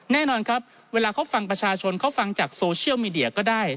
แน่นอนครับเวลาเขาฟังประชาชนเขาฟังจากโซเชียลมีเดียก็ได้